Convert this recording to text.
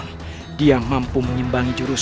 termasuk tentang pertanyaannya open